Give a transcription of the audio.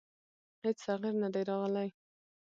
هېڅ تغیر نه دی راغلی.